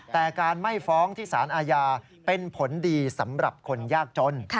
แต่การไม่ฟ้องที่สารอาญาเป็นผลดีสำหรับคนยากจน